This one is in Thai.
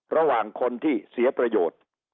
ระหว่างคนที่เสียประโยชน์